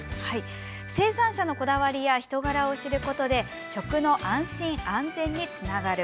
生産者のこだわりや人柄を知ることで食の安心・安全につながる。